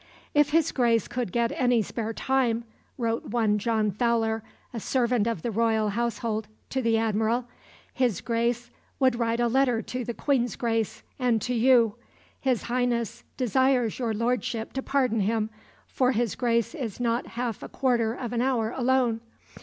"If his Grace could get any spare time," wrote one John Fowler, a servant of the royal household, to the Admiral, "his Grace would write a letter to the Queen's Grace, and to you. His Highness desires your lordship to pardon him, for his Grace is not half a quarter of an hour alone.